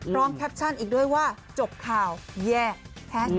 ร้องแคปชั่นอีกด้วยว่าจบข่าวแฮคแฮค